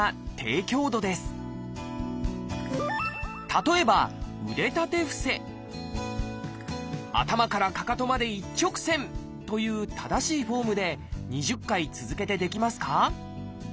例えば頭からかかとまで一直線という正しいフォームで２０回続けてできますか？